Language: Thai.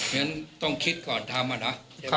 เนี่ยตั้งคลิกก่อนทำอ่ะนะ